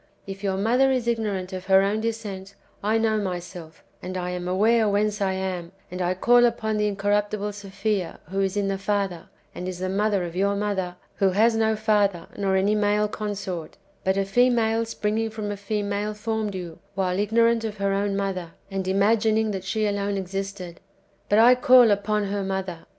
If your mother is ignorant of her own descent, I know myself, and am aware whence I am, and I call upon the incorruptible Sophia, who is in the Father, and is the mother of your mother, who has no father, nor any male consort; but a female springing from a female formed you, while ignorant of her own mother, and imagining that she alone existed; but I call upon her mother."